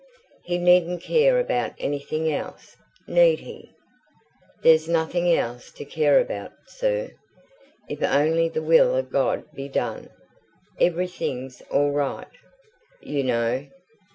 He needn't care about anything else, need he?" "There's nothing else to care about, sir. If only the will of God be done, everything's all right, you know.